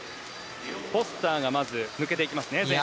フォスターがまず前半、抜けていきますね。